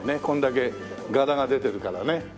こんだけ柄が出てるからね。